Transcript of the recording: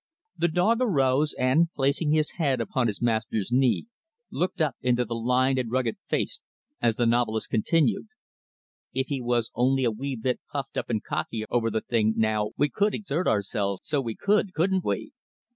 The dog arose, and, placing his head upon his master's knee, looked up into the lined and rugged face, as the novelist continued, "If he was only a wee bit puffed up and cocky over the thing, now, we could exert ourselves, so we could, couldn't we?"